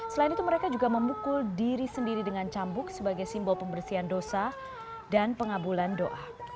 selain itu mereka juga memukul diri sendiri dengan cambuk sebagai simbol pembersihan dosa dan pengabulan doa